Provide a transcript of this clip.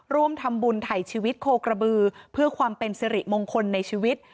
ร่วมทำบุญไถ่ชีวิตโคกระบือเพื่อความเป็นสิริมงคลในชีวิต